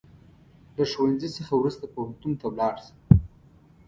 د ښوونځي څخه وروسته پوهنتون ته ولاړ سه